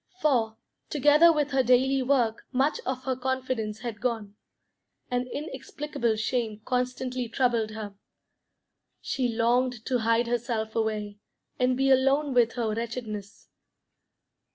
For, together with her daily work, much of her confidence had gone; an inexplicable shame constantly troubled her. She longed to hide herself away, and be alone with her wretchedness.